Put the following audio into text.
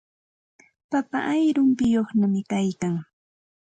Papa ayrumpiyuqñami kaykan.